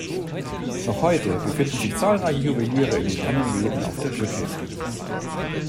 Noch heute befinden sich zahlreiche Juweliere in den kleinen Läden auf der Brücke.